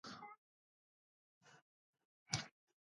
کاناډا د ټاکنو اداره لري.